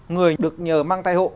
người được nhờ mang thai hộ